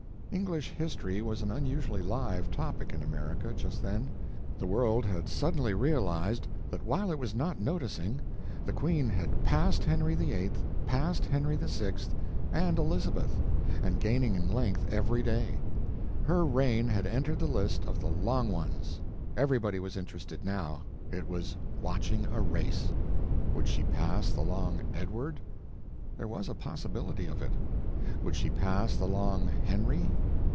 English history was an unusually live topic in America just then. The world had suddenly realized that while it was not noticing the Queen had passed Henry VIII., passed Henry VI. and Elizabeth, and gaining in length every day. Her reign had entered the list of the long ones; everybody was interested now—it was watching a race. Would she pass the long Edward? There was a possibility of it. Would she pass the long Henry?